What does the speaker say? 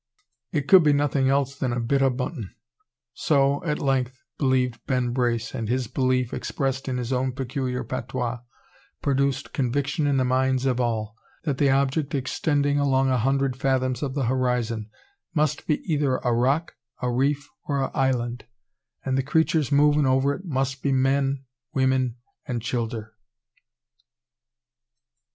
It could be nothing else than a "bit o' buntin'." So, at length, believed Ben Brace, and his belief, expressed in his own peculiar patois, produced conviction in the minds of all, that the object extending along a hundred fathoms of the horizon, "must be eyther a rock, a reef, or a island; and the creeturs movin' over it must be men, weemen, an' childer!"